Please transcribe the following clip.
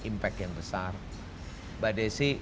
impact yang besar mbak desi